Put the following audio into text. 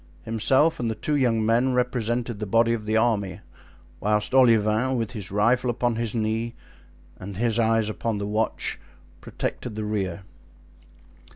Himself and the two young men represented the body of the army, whilst Olivain, with his rifle upon his knee and his eyes upon the watch, protected the rear.